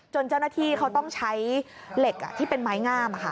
เจ้าหน้าที่เขาต้องใช้เหล็กที่เป็นไม้งาม